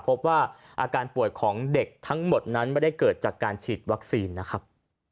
พบว่าอาการป่วยของเด็กทั้งหมดนั้นไม่ได้เกิดจากการฉีดวัคซีนนะครับ